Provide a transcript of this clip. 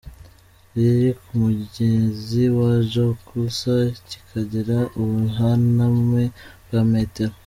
Riri ku mugezi wa Jokulsa kikagira ubuhaname bwa metero